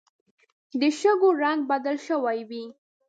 د شګو رنګ بدل شوی وي